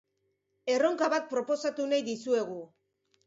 Erronka bat proposatu nahi dizuegu.